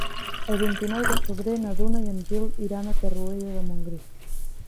El vint-i-nou de febrer na Duna i en Gil iran a Torroella de Montgrí.